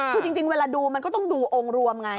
คือจริงเวลาดูมันก็ต้องดูองค์รวมไง